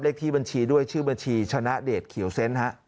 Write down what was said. เลขที่บัญชีด้วยชื่อบัญชีชนะเดชเขียวเซนต์ฮะ